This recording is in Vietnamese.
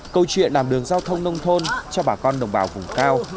câu chuyện làm đường giao thông nông thôn cho bà con đồng bào vùng cao